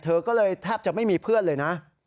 เธอก็เลยแทบจะไม่มีเพื่อนเลยนะ